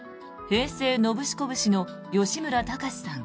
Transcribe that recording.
平成ノブシコブシの吉村崇さん